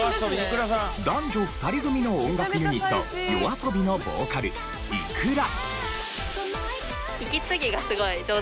男女２人組の音楽ユニットＹＯＡＳＯＢＩのボーカルｉｋｕｒａ。